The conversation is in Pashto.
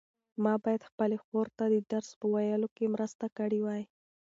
ما باید خپلې خور ته د درس په ویلو کې مرسته کړې وای.